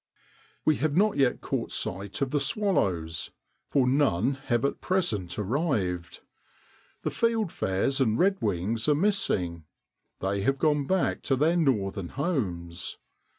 We have not yet caught sight of the swallows, for none have at present arrived. The fieldfares and redwings are missing; they have gone back to their northern homes.